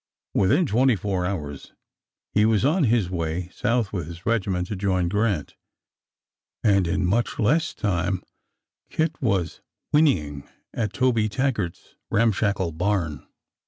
. Within twenty four hours he was on his way South with his regiment to join Grant, and in much less time Kit was whinnying at Tobe Taggart's ramshackle barn.